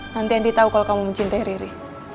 nanti andi tahu kalau kamu mencintai riri